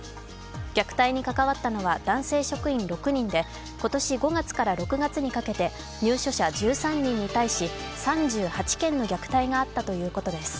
虐待に関わったのは男性職員６人で今年５月から６月にかけて入所者１３人に対し、３８件の虐待があったということです。